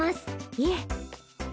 いえ。